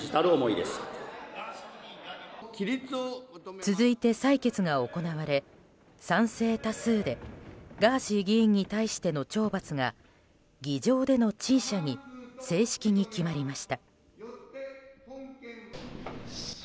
続いて採決が行われ賛成多数でガーシー議員に対しての懲罰が議場での陳謝に正式に決まりました。